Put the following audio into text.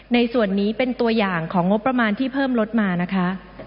ในส่วนนี้เป็นตัวอย่างของงบประมาณที่เพิ่มลดมานะคะ